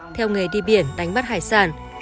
theo nghề đi biển đánh bắt hải sản